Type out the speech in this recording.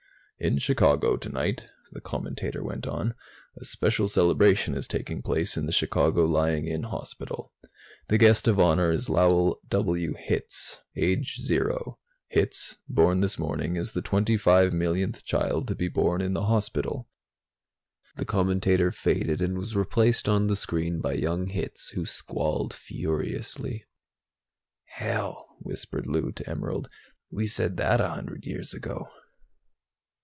"In Chicago tonight," the commentator went on, "a special celebration is taking place in the Chicago Lying in Hospital. The guest of honor is Lowell W. Hitz, age zero. Hitz, born this morning, is the twenty five millionth child to be born in the hospital." The commentator faded, and was replaced on the screen by young Hitz, who squalled furiously. "Hell!" whispered Lou to Emerald. "We said that a hundred years ago."